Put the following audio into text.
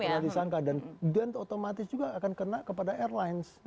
pernah disangka dan otomatis juga akan kena kepada airlines